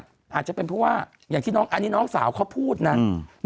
อาจจะเป็นเพราะว่าอย่างที่น้องอันนี้น้องสาวเขาพูดนะอืม